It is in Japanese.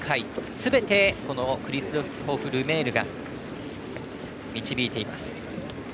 すべてクリストフ・ルメールが導いています。